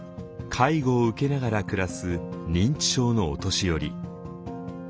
介護を受けながら暮らす認知症のお年寄り。